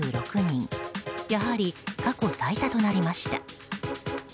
やはり過去最多となりました。